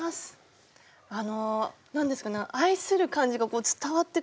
あの何ですかね愛する感じがこう伝わってくる。